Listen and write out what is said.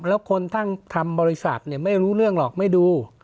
แล้วคนทั้งทำบริษัทไม่รู้เรื่องหรอกไม่ดู